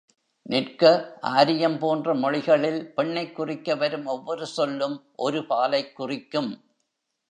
நிற்க ஆரியம் போன்ற மொழிகளில் பெண்ணைக் குறிக்கவரும் ஒவ்வொரு சொல்லும் ஒரு பாலைக்குறிக்கும்.